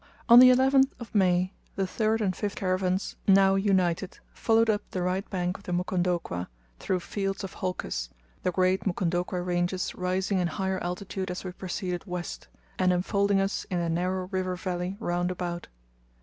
On the 11th of May, the third and fifth caravans, now united, followed up the right bank of the Mukondokwa, through fields of holcus, the great Mukondokwa ranges rising in higher altitude as we proceeded west, and enfolding us in the narrow river valley round about.